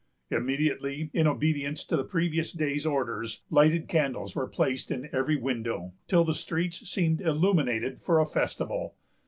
Immediately, in obedience to the previous day's orders, lighted candles were placed in every window, till the streets seemed illuminated for a festival.